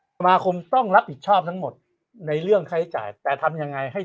สมาคมต้องรับผิดชอบทั้งหมดในเรื่องค่าใช้จ่ายแต่ทำยังไงให้